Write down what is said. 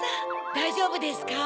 だいじょうぶですか？